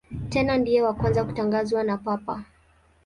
Tena ndiye wa kwanza kutangazwa na Papa.